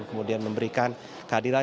kemudian memberikan keadilan